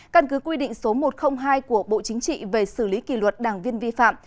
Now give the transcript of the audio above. căn cứ quy định số một trăm linh hai của bộ chính trị về xử lý kỷ luật đảng viên vi phạm